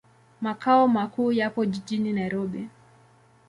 Makao makuu yapo jijini Nairobi.